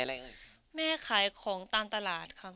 แล้วแม่ขายของอะไรอะไร